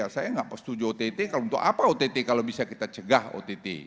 saya nggak setuju ott kalau untuk apa ott kalau bisa kita cegah ott